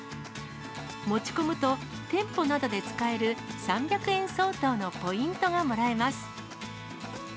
持ち込むと、店舗などで使える３００円相当のポイントがもらえます。